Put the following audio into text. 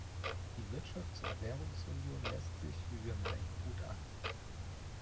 Die Wirtschafts- und Währungsunion lässt sich, wie wir meinen, gut an.